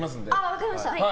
分かりました。